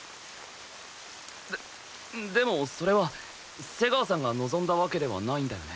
ででもそれは瀬川さんが望んだわけではないんだよね？